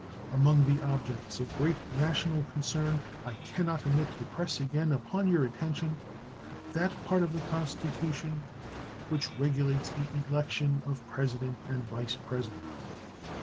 Among the objects of great national concern I can not omit to press again upon your attention that part of the Constitution which regulates the election of President and Vice President.